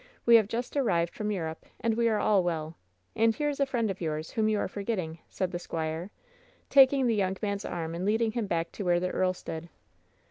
We have just arrived from Europe, and we are all well. And here is a friend of yours whom you are f orgetting,'' said the squire, taking the young man's arm and lead ing him back to where the earl stood.